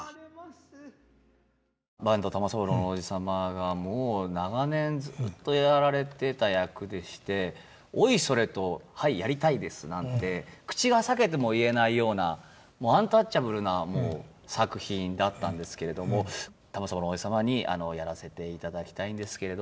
坂東玉三郎のおじ様がもう長年ずっとやられてた役でしておいそれと「はいやりたいです」なんて口が裂けても言えないようなもうアンタッチャブルな作品だったんですけれども玉三郎のおじ様に「やらせていただきたいんですけれども」と言ったら。